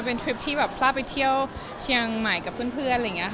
มันเป็นทริปที่ทราบไปเที่ยวเชียงใหม่กับเพื่อน